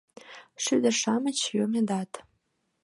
Шӱдыр-шамыч йомедат.